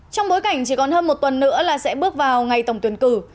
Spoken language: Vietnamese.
trong bối cảnh chỉ còn hơn một tuần nữa là sẽ bước vào ngày tổng tuyển cử